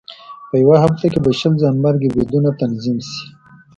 په یوه هفته کې به شل ځانمرګي بریدونه تنظیم شي.